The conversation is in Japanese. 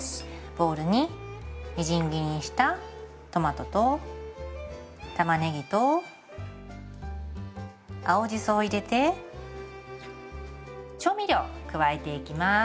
ボウルにみじん切りにしたトマトとたまねぎと青じそを入れて調味料加えていきます。